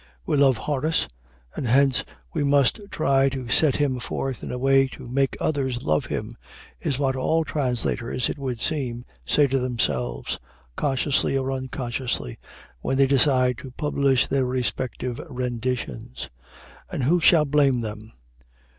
"We love Horace, and hence we must try to set him forth in a way to make others love him," is what all translators, it would seem, say to themselves, consciously or unconsciously, when they decide to publish their respective renditions. And who shall blame them?